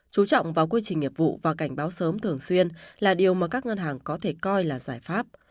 chú trọng vào quy trình nghiệp vụ và cảnh báo sớm thường xuyên là điều mà các ngân hàng có thể coi là giải pháp